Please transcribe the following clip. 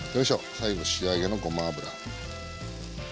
最後仕上げのごま油。